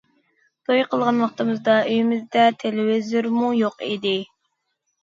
توي قىلغان ۋاقتىمىزدا ئۆيىمىزدە تېلېۋىزورمۇ يوق ئىدى.